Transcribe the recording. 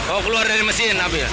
oh keluar dari mesin